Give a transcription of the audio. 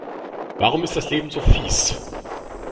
Warum ist das Leben so fieß?